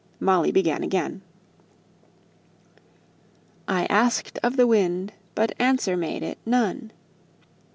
Molly began again I asked of the wind, but answer made it none.